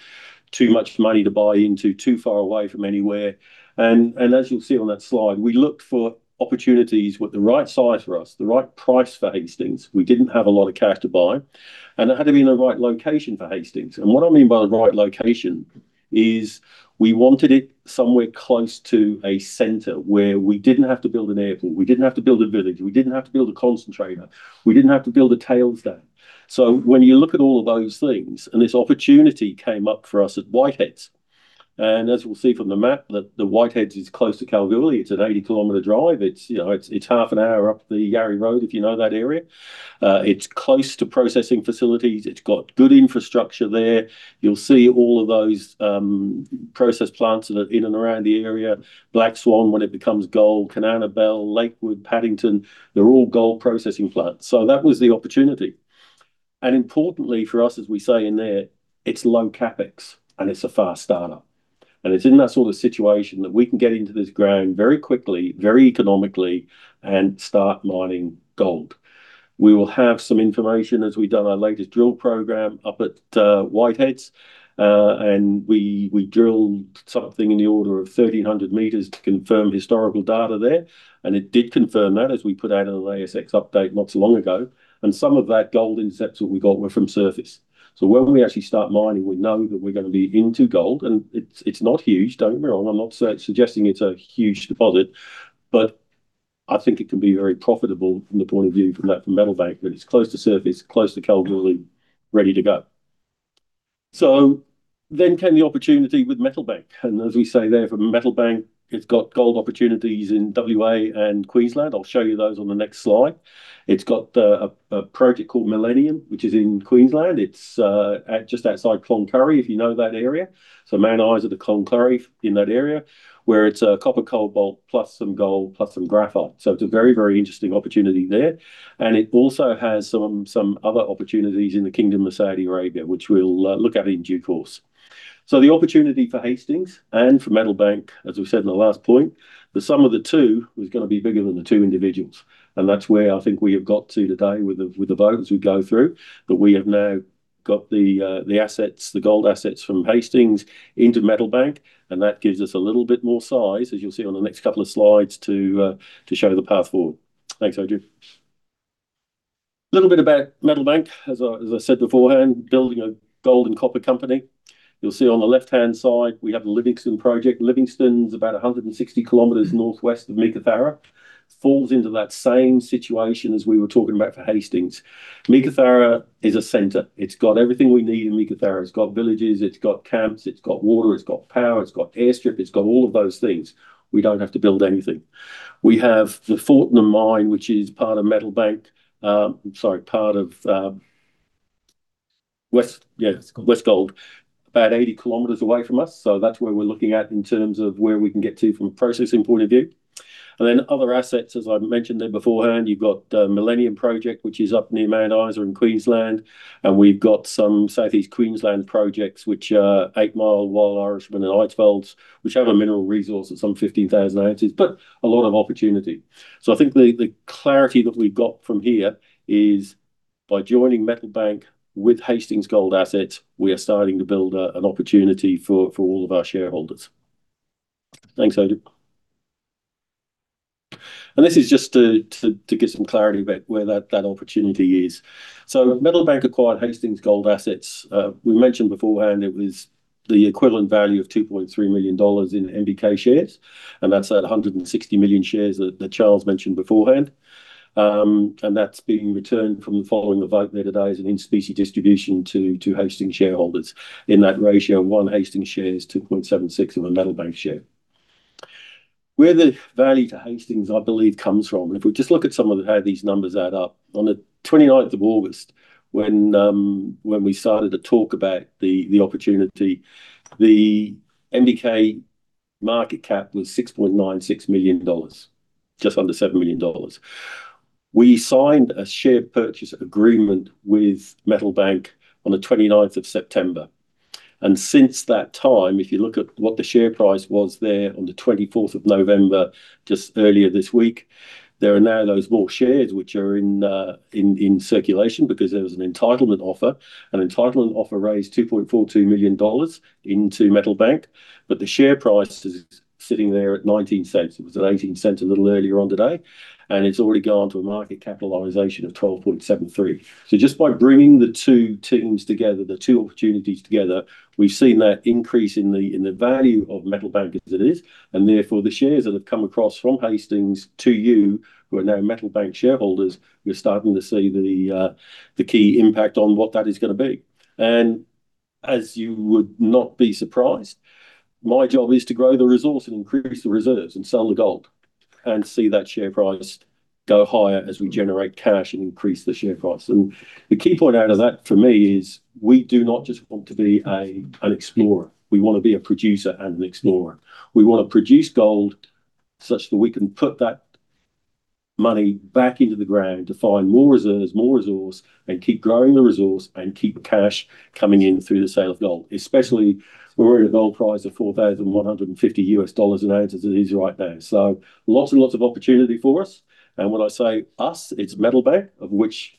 too much money to buy into, too far away from anywhere. As you'll see on that slide, we looked for opportunities with the right size for us, the right price for Hastings. We didn't have a lot of cash to buy, and it had to be in the right location for Hastings. What I mean by the right location is we wanted it somewhere close to a center where we didn't have to build an airport, we didn't have to build a village, we didn't have to build a concentrator, we didn't have to build a tail stand. When you look at all of those things, this opportunity came up for us at Whiteheads, and as we'll see from the map, the Whiteheads is close to Kalgoorlie. It's an 80 km drive. It's half an hour up the Yarry Road, if you know that area. It's close to processing facilities. It's got good infrastructure there. You'll see all of those process plants that are in and around the area. Black Swan, when it becomes gold, Cananabel, Lakewood, Paddington, they're all gold processing plants. That was the opportunity. Importantly for us, as we say in there, it's low CapEx, and it's a fast startup. It's in that sort of situation that we can get into this ground very quickly, very economically, and start mining gold. We will have some information as we've done our latest drill program up at Whiteheads, and we drilled something in the order of 1,300 meters to confirm historical data there. It did confirm that as we put out an ASX update not so long ago. Some of that gold intercepts that we got were from surface. When we actually start mining, we know that we're going to be into gold, and it's not huge, don't get me wrong. I'm not suggesting it's a huge deposit, but I think it can be very profitable from the point of view from Metal Bank that it's close to surface, close to Kalgoorlie, ready to go. Then came the opportunity with Metal Bank. As we say there for Metal Bank, it's got gold opportunities in WA and Queensland. I'll show you those on the next slide. It's got a project called Millennium, which is in Queensland. It's just outside Cloncurry, if you know that area. So Man Eyes are the Cloncurry in that area, where it's a copper cobalt plus some gold plus some graphite. It's a very, very interesting opportunity there. It also has some other opportunities in the Kingdom of Saudi Arabia, which we'll look at in due course. The opportunity for Hastings and for Metal Bank, as we said in the last point, the sum of the two was going to be bigger than the two individuals. That is where I think we have got to today with the votes we go through, that we have now got the assets, the gold assets from Hastings into Metal Bank, and that gives us a little bit more size, as you'll see on the next couple of slides, to show the path forward. Thanks, Andrew. A little bit about Metal Bank, as I said beforehand, building a gold and copper company. You'll see on the left-hand side, we have the Livingston project. Livingstone is about 160 km northwest of Meekatharra, falls into that same situation as we were talking about for Hastings. Meekatharra is a center. It's got everything we need in Meekatharra. It's got villages, it's got camps, it's got water, it's got power, it's got airstrip, it's got all of those things. We don't have to build anything. We have the Fortnum mine, which is part of Westgold, about 80 km away from us. That's where we're looking at in terms of where we can get to from a processing point of view. Other assets, as I mentioned there beforehand, you've got the Millennium project, which is up near Cloncurry or in Queensland. We've got some Southeast Queensland projects, which are 8 Mile, Wild, and Eidsvold, which have a mineral resource at some 15,000 oz, but a lot of opportunity. I think the clarity that we've got from here is by joining Metal Bank with Hastings gold assets, we are starting to build an opportunity for all of our shareholders. Thanks, Andrew. This is just to get some clarity about where that opportunity is. Metal Bank acquired Hastings gold assets. We mentioned beforehand it was the equivalent value of 2.3 million dollars in MBK shares, and that's at 160 million shares that Charles mentioned beforehand. That's being returned from the following of vote there today as an in-species distribution to Hastings shareholders in that ratio of one Hastings share to 0.76 of a Metal Bank share. Where the value to Hastings, I believe, comes from, and if we just look at some of how these numbers add up, on the 29th of August, when we started to talk about the opportunity, the MBK market cap was 6.96 million dollars, just under 7 million dollars. We signed a share purchase agreement with Metal Bank on the 29th of September. Since that time, if you look at what the share price was there on the 24th of November, just earlier this week, there are now those more shares which are in circulation because there was an entitlement offer. An entitlement offer raised 2.42 million dollars into Metal Bank, but the share price is sitting there at 0.19. It was at 0.18 a little earlier on today, and it has already gone to a market capitalisation of 12.73 million. Just by bringing the two teams together, the two opportunities together, we've seen that increase in the value of Metal Bank as it is, and therefore the shares that have come across from Hastings to you, who are now Metal Bank shareholders, we're starting to see the key impact on what that is going to be. As you would not be surprised, my job is to grow the resource and increase the reserves and sell the gold and see that share price go higher as we generate cash and increase the share price. The key point out of that for me is we do not just want to be an explorer. We want to be a producer and an explorer. We want to produce gold such that we can put that money back into the ground to find more reserves, more resource, and keep growing the resource and keep cash coming in through the sale of gold, especially when we're at a gold price of $4,150 in ounces it is right now. Lots and lots of opportunity for us. When I say us, it's Metal Bank, of which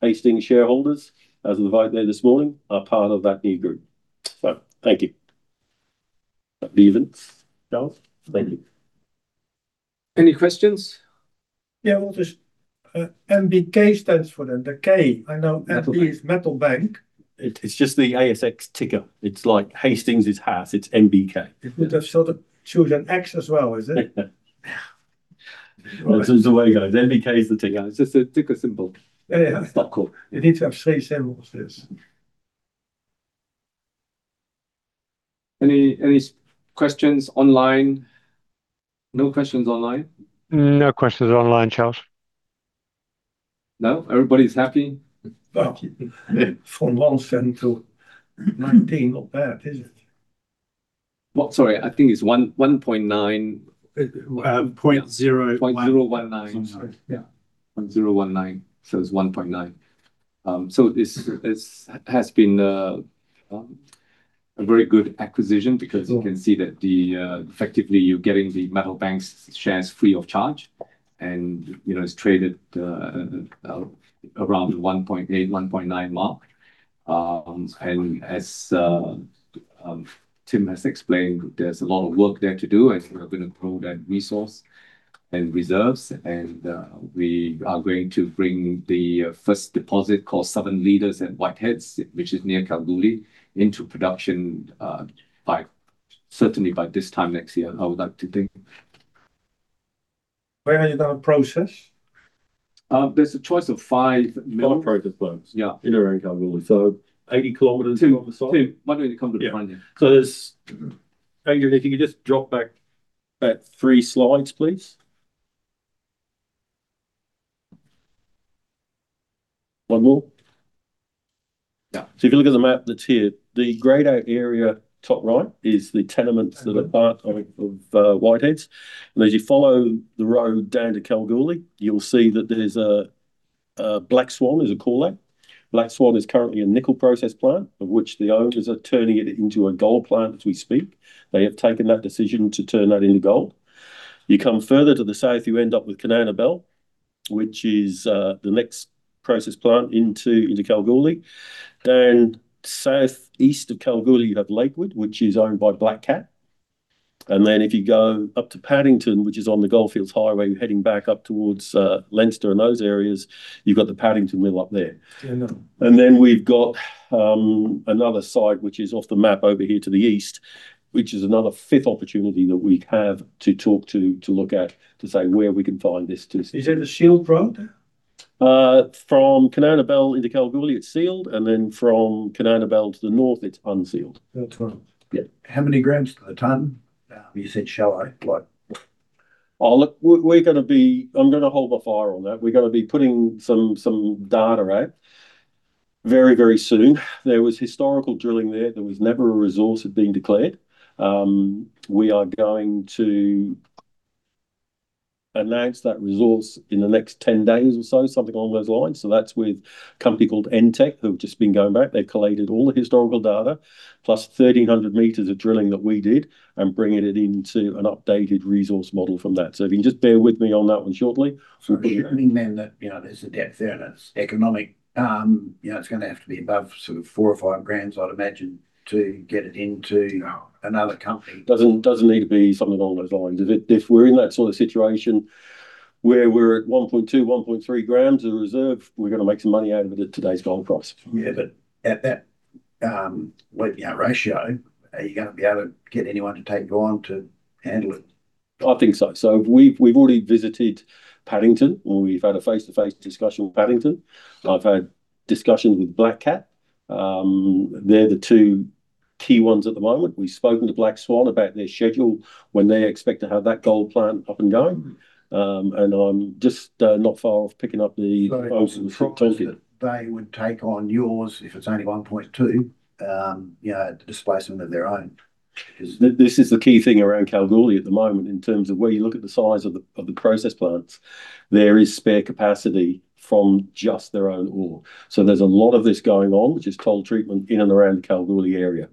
Hastings shareholders, as of the vote there this morning, are part of that new group. Thank you. Thank you. Any questions? Yeah, MBK stands for them, the K. I know MB is Metal Bank. It's just the ASX ticker. It's like Hastings is HAS, it's MBK. You would have sort of choose an X as well, is it? That's the way it goes. MBK is the ticker. It's just a ticker symbol. Yeah, yeah. It needs to have three symbols, yes. Any questions online? No questions online? No questions online, Charles. No. Everybody's happy? Thank you. From 1 cent to 19, not bad, is it? Sorry, I think it's 1.9. 0.019. 0.019. 1.9. This has been a very good acquisition because you can see that effectively you're getting the Metal Bank's shares free of charge, and it's traded around the 1.8-1.9 mark. As Tim has explained, there's a lot of work there to do, and we're going to grow that resource and reserves. We are going to bring the first deposit called Seven Leaders at Whiteheads, which is near Kalgoorlie, into production by certainly by this time next year, I would like to think. Where are you going to process? There's a choice of $5 million. Four process points. Yeah. In or around Kalgoorlie. Eighty kilometres. Tim, Tim, why don't you come to the front end? Andrew, if you could just drop back three slides, please. One more. Yeah. If you look at the map that's here, the greyed-out area top right is the tenements that are part of Whiteheads. As you follow the road down to Kalgoorlie, you'll see that there's a Black Swan, as we call that. Black Swan is currently a nickel process plant, of which the owners are turning it into a gold plant as we speak. They have taken that decision to turn that into gold. You come further to the south, you end up with Cananabel, which is the next process plant into Kalgoorlie. Then south east of Kalgoorlie, you have Lakewood, which is owned by Black Cat. If you go up to Paddington, which is on the Goldfields Highway, you're heading back up towards Leinster and those areas, you've got the Paddington mill up there. We have another site which is off the map over here to the east, which is another fifth opportunity that we have to talk to, to look at, to say where we can find this too. Is it a sealed road there? From Cananabel into Kalgoorlie, it's sealed, and then from Cananabel to the north, it's unsealed. How many grams per tonne? You said shallow. Look, we're going to be, I'm going to hold my fire on that. We're going to be putting some data out very, very soon. There was historical drilling there. There was never a resource that had been declared. We are going to announce that resource in the next 10 days or so, something along those lines. That's with a company called NTEC, who have just been going back. They've collated all the historical data,+1,300 m of drilling that we did, and bringing it into an updated resource model from that. If you can just bear with me on that one shortly. You're hoping then that there's a depth there, and it's economic. It's going to have to be above sort of 4 or 5 grams, I'd imagine, to get it into another company. Doesn't need to be something along those lines. If we're in that sort of situation where we're at 1.2 g-1.3 g of reserve, we're going to make some money out of it at today's gold price. Yeah, but at that ratio, are you going to be able to get anyone to take you on to handle it? I think so. We have already visited Paddington, and we have had a face-to-face discussion with Paddington. I have had discussions with Black Cat. They are the two key ones at the moment. We have spoken to Black Swan about their schedule when they expect to have that gold plant up and going. I am just not far off picking up the folks at the front country. They would take on yours if it's only 1.2, displacement of their own. This is the key thing around Kalgoorlie at the moment in terms of where you look at the size of the process plants, there is spare capacity from just their own ore. There is a lot of this going on, which is coal treatment in and around the Kalgoorlie area.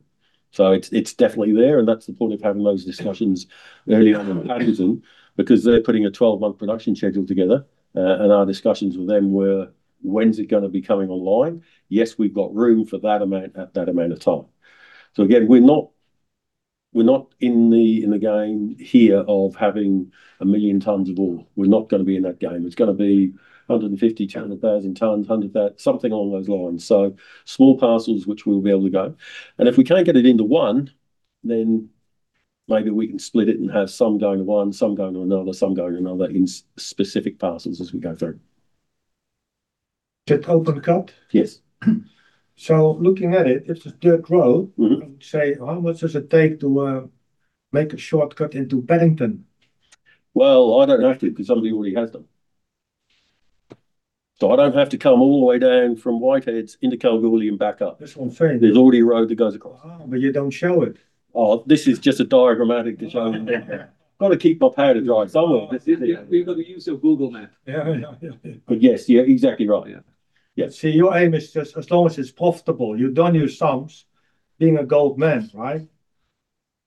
It is definitely there, and that is the point of having those discussions early on in Paddington because they are putting a 12-month production schedule together. Our discussions with them were, when is it going to be coming online? Yes, we have got room for that amount at that amount of time. We are not in the game here of having a million tonnes of ore. We are not going to be in that game. It is going to be 150,000-200,000 tonnes, something along those lines. Small parcels, which we will be able to go. If we can't get it into one, then maybe we can split it and have some going to one, some going to another, some going to another in specific parcels as we go through. Is it open cut? Yes. Looking at it, it's a dirt road. I would say, how much does it take to make a shortcut into Paddington? I don't have to because somebody already has done. I don't have to come all the way down from Whiteheads into Kalgoorlie and back up. This one's fine. There's already a road that goes across. Oh, but you don't show it. Oh, this is just a diagrammatic to show. I've got to keep my powder dry somewhere, this is it. You've got to use your Google Map. Yes, you're exactly right. Your aim is just as long as it's profitable. You've done your sums, being a gold man, right?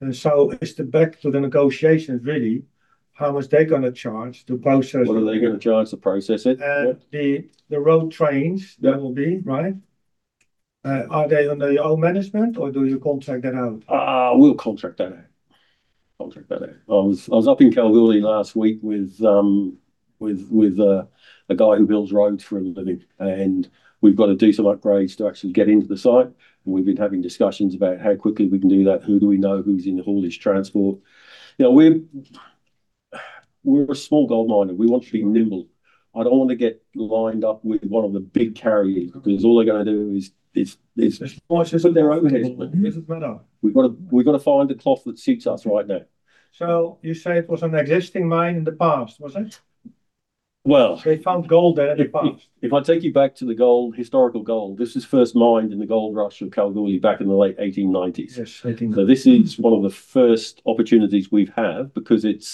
It's the back to the negotiations, really, how much they're going to charge to process. What are they going to charge to process it? The road trains that will be, right? Are they under your own management, or do you contract that out? We'll contract that out. Contract that out. I was up in Kalgoorlie last week with a guy who builds roads for a living, and we've got to do some upgrades to actually get into the site. We've been having discussions about how quickly we can do that, who do we know, who's in the haulage transport. We're a small gold miner. We want to be nimble. I don't want to get lined up with one of the big carriers because all they're going to do is put their overhead. This is Metal Bank. We've got to find the cloth that suits us right now. You say it was an existing mine in the past, was it? Well. They found gold there in the past. If I take you back to the gold, historical gold, this was first mined in the gold rush of Kalgoorlie back in the late 1890s. This is one of the first opportunities we've had because it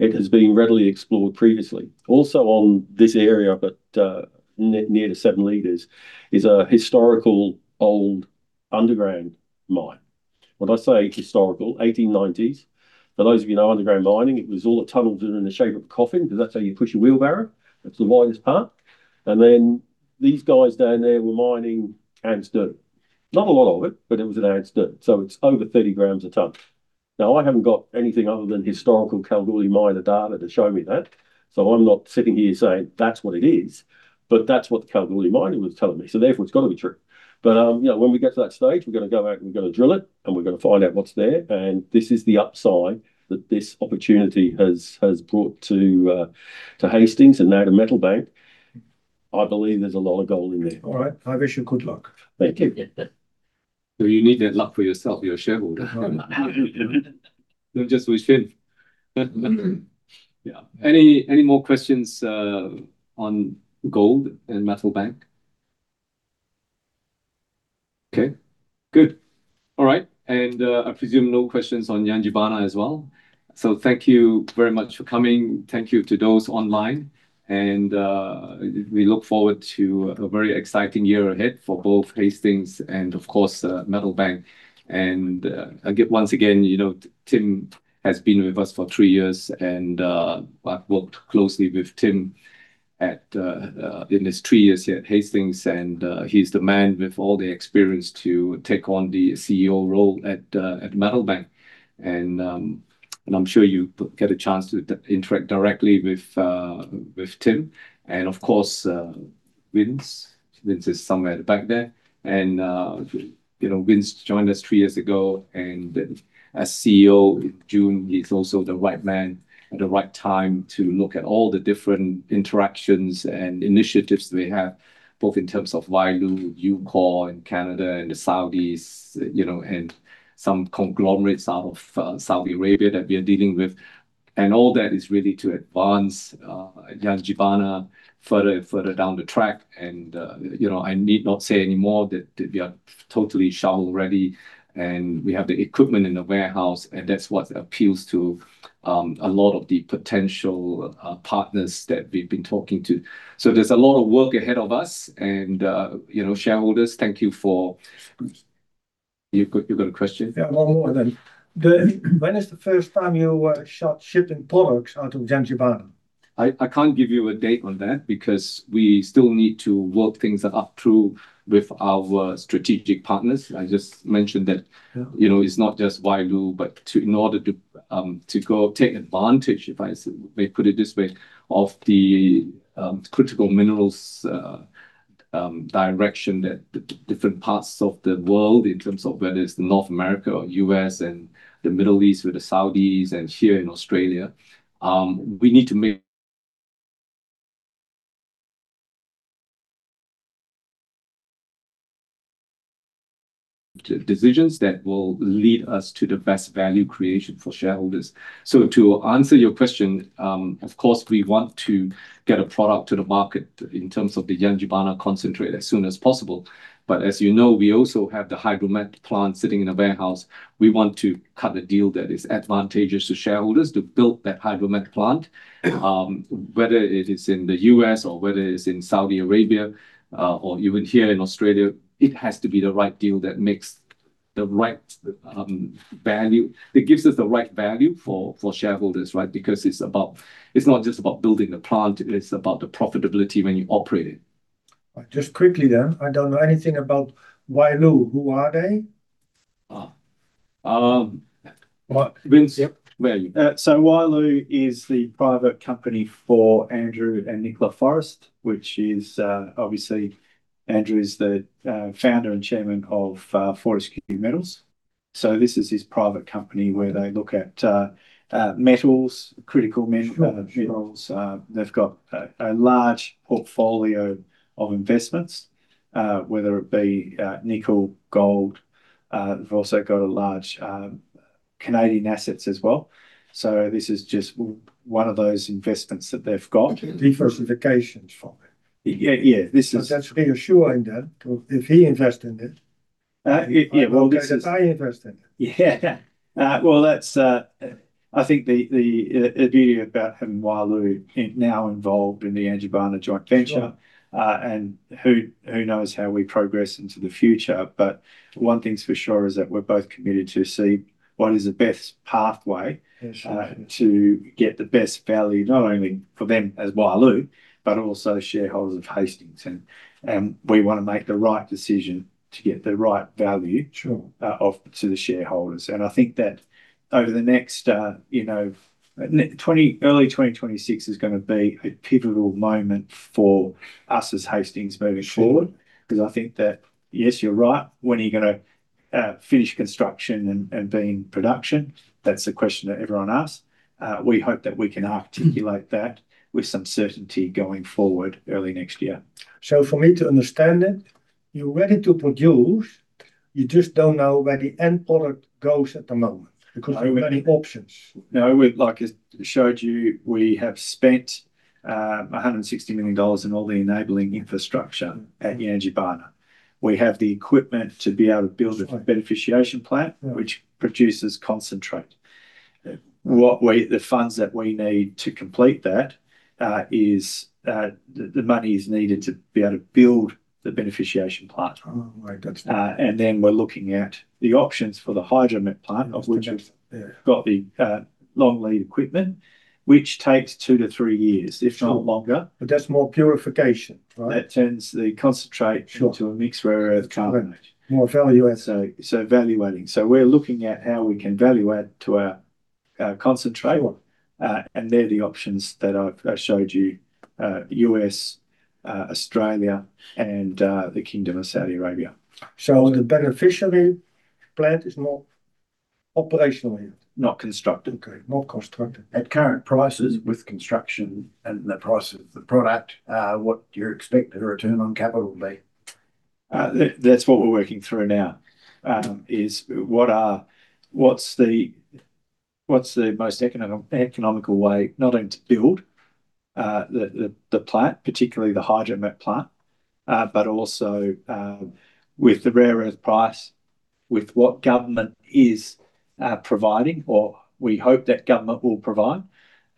has been readily explored previously. Also on this area, but near the Seven Leaders, is a historical old underground mine. When I say historical, 1890s, for those of you who know underground mining, it was all the tunnels that are in the shape of a coffin because that's how you push a wheelbarrow. It's the widest part. These guys down there were mining and stirred. Not a lot of it, but it was an add stirred. It's over 30 grams a tonne. I haven't got anything other than historical Kalgoorlie miner data to show me that. I'm not sitting here saying that's what it is, but that's what the Kalgoorlie Miner was telling me. Therefore, it's got to be true. When we get to that stage, we're going to go out and we're going to drill it, and we're going to find out what's there. This is the upside that this opportunity has brought to Hastings and now to Metal Bank. I believe there's a lot of gold in there. All right. I wish you good luck. Thank you. You need that luck for yourself, your shareholder. Just with Shin. Any more questions on gold and Metal Bank? Okay. Good. All right. I presume no questions on Yangibana as well. Thank you very much for coming. Thank you to those online. We look forward to a very exciting year ahead for both Hastings and, of course, Metal Bank. Once again, Tim has been with us for three years, and I've worked closely with Tim in his three years here at Hastings. He's the man with all the experience to take on the CEO role at Metal Bank. I'm sure you get a chance to interact directly with Tim. Of course, Vince. Vince is somewhere at the back there. Vince joined us three years ago. As CEO in June, he's also the right man at the right time to look at all the different interactions and initiatives we have, both in terms of Wyloo, Ucore in Canada and the Saudis, and some conglomerates out of Saudi Arabia that we are dealing with. All that is really to advance Yangibana further and further down the track. I need not say anymore that we are totally shovel-ready, and we have the equipment in the warehouse, and that's what appeals to a lot of the potential partners that we've been talking to. There is a lot of work ahead of us. Shareholders, thank you for— you have a question? Yeah, one more then. When is the first time you start shipping products out of Yangibana? I can't give you a date on that because we still need to work things up through with our strategic partners. I just mentioned that it's not just Wyloo, but in order to take advantage, if I may put it this way, of the critical minerals direction that different parts of the world, in terms of whether it's North America or U.S. and the Middle East with the Saudis and here in Australia, we need to make decisions that will lead us to the best value creation for shareholders. To answer your question, of course, we want to get a product to the market in terms of the Yangibana concentrate as soon as possible. As you know, we also have the Hydromet plant sitting in a warehouse. We want to cut a deal that is advantageous to shareholders to build that Hydromet plant, whether it is in the U.S. or whether it's in Saudi Arabia or even here in Australia. It has to be the right deal that makes the right value. It gives us the right value for shareholders, right? Because it's not just about building the plant. It's about the profitability when you operate it. Just quickly then, I don't know anything about Wyloo. Who are they? Vince, where are you? Wyloo is the private company for Andrew and Nicola Forrest, which is obviously Andrew is the founder and chairman of Fortescue Metals. This is his private company where they look at metals, critical minerals. They've got a large portfolio of investments, whether it be nickel, gold. They've also got large Canadian assets as well. This is just one of those investments that they've got. Desertification from it. Yeah, this is. That's reassuring then, because if he invests in it. Yeah, well, this is. If I invest in it. Yeah. I think the beauty about having Wyloo now involved in the Yangibana joint venture, and who knows how we progress into the future. One thing's for sure is that we're both committed to see what is the best pathway to get the best value, not only for them as Wyloo, but also shareholders of Hastings. We want to make the right decision to get the right value to the shareholders. I think that over the next early 2026 is going to be a pivotal moment for us as Hastings moving forward. I think that, yes, you're right. When are you going to finish construction and be in production? That's the question that everyone asks. We hope that we can articulate that with some certainty going forward early next year. For me to understand it, you're ready to produce. You just don't know where the end product goes at the moment because there are many options. No, like I showed you, we have spent $160 million in all the enabling infrastructure at Yangibana. We have the equipment to be able to build a beneficiation plant, which produces concentrate. The funds that we need to complete that is the money is needed to be able to build the beneficiation plant. We are looking at the options for the hydromet plant, of which we have the long lead equipment, which takes two to three years, if not longer. That's more purification, right? That turns the concentrate into a mixed rare earth carbonate. More value-adding. We are looking at how we can value-add to our concentrate. They are the options that I have showed you: U.S., Australia, and the Kingdom of Saudi Arabia. Is the beneficiation plant operational yet? Not constructive. Okay, more constructive. At current prices with construction and the price of the product, what do you expect the return on capital to be? That's what we're working through now, is what's the most economical way, not only to build the plant, particularly the Hydromet plant, but also with the rare earth price, with what government is providing, or we hope that government will provide,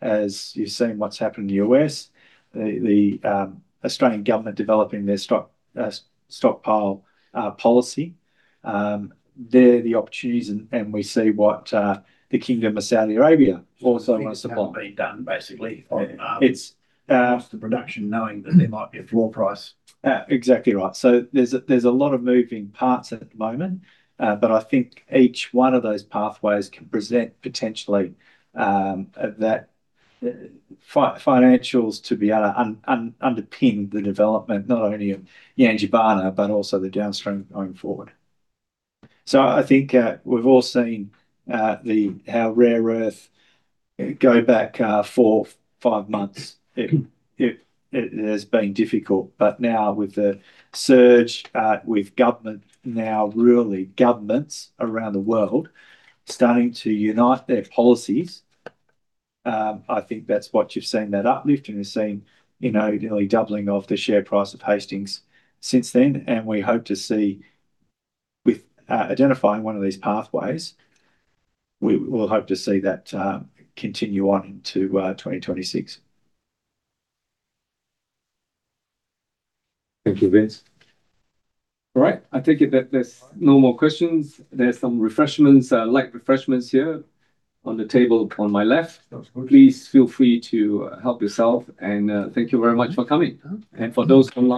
as you've seen what's happened in the U.S., the Australian government developing their stockpile policy. There are the opportunities, and we see what the Kingdom of Saudi Arabia also wants to buy. What's not being done, basically, after production, knowing that there might be a floor price. Exactly right. There is a lot of moving parts at the moment, but I think each one of those pathways can present potentially financials to be able to underpin the development, not only of Yangibana, but also the downstream going forward. I think we have all seen how rare earth go back four, five months. It has been difficult. Now with the surge, with government, now really governments around the world starting to unite their policies, I think that is what you have seen, that uplift, and we have seen nearly doubling of the share price of Hastings since then. We hope to see, with identifying one of these pathways, we will hope to see that continue on into 2026. Thank you, Vince. All right. I think if there's no more questions, there's some late refreshments here on the table on my left. Please feel free to help yourself. Thank you very much for coming. And for those online.